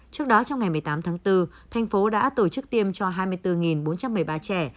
trước đó trong ngày một mươi tám tháng bốn thành phố đã tổ chức tiêm cho hai mươi bốn bốn trăm một mươi ba trẻ